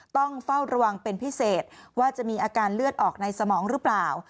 ต้องเฝ้าระวังเป็นพิเศษว่าจะมีอาการเลือดออกในสมองหรือเปล่า